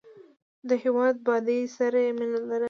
د هېواد بادۍ سره یې مینه لرله.